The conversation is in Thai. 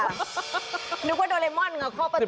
คิดว่าโดรีมอนเหรอค่อประตู